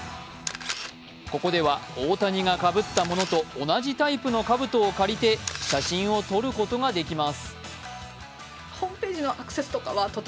ここでは大谷がかぶったものと同じタイプのかぶとを借りて写真を撮ることができます。